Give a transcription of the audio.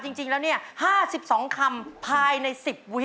จริงแล้ว๕๒คำภายใน๑๐วิ